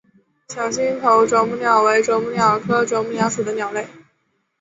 小星头啄木鸟为啄木鸟科啄木鸟属的鸟类。